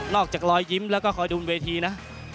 อกจากรอยยิ้มแล้วก็คอยดูบนเวทีนะ